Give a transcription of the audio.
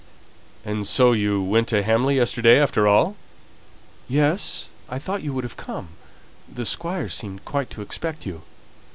"And so you went to Hamley yesterday after all?" "Yes; I thought you would have come. The Squire seemed quite to expect you."